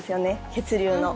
血流の。